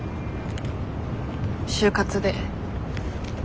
就活で。